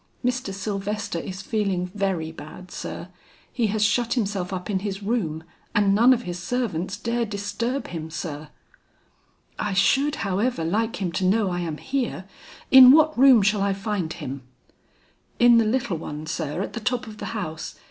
"Mr. Sylvester is feeling very bad, sir. He has shut himself up in his room and none of his servants dare disturb him, sir." "I should, however, like him to know I am here. In what room shall I find him?" "In the little one, sir, at the top of the house.